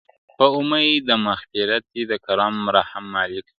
په اُمید د مغفرت دي د کرم رحم مالِکه,